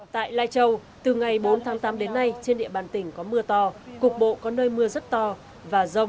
tại lai châu từ ngày bốn tháng tám đến nay trên địa bàn tỉnh có mưa to cục bộ có nơi mưa rất to và rông